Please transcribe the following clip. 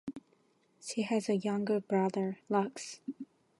She has a younger brother, Lux.